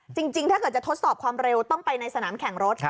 จริงถ้าเกิดจะทดสอบความเร็วต้องไปในสนามแข่งรถ